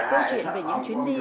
câu chuyện về những chuyến đi